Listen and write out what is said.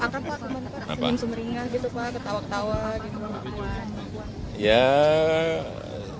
iya pak cukup akrab pak senyum sumeringah gitu pak ketawa ketawa gitu bapak puan